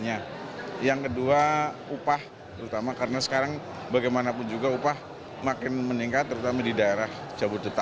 yang kedua sumber daya untuk energinya juga cukup